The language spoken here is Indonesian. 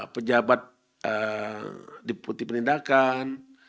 pejabat diputih perlindakan